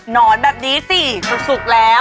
นอนแบบนี้สิสุกแล้ว